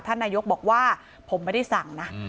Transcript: นายกบอกว่าผมไม่ได้สั่งนะ